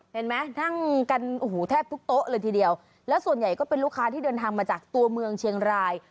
เห็นไหมนั่งกันโอ้โหแทบทุกโต๊ะเลยทีเดียวแล้วส่วนใหญ่ก็เป็นลูกค้าที่เดินทางมาจากตัวเมืองเชียงราย